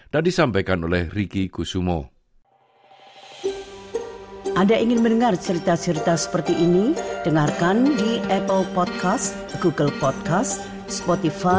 dan disampaikan oleh ricky kusumo